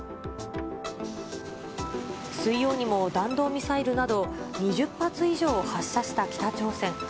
水曜にも、弾道ミサイルなど２０発以上を発射した北朝鮮。